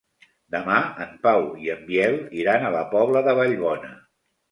Demà en Pau i en Biel iran a la Pobla de Vallbona.